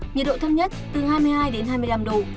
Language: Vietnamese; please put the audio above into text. nhiệt độ thấp nhất từ hai mươi hai đến hai mươi năm độ